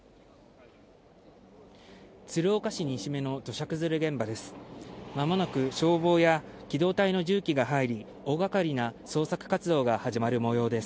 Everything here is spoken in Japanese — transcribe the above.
鶴岡市にしめの土砂崩れ現場です。